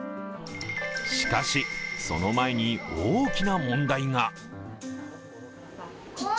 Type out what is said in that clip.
しかし、その前に大きな問題が。